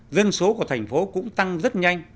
dân số của thành phố cũng tăng rất nhanh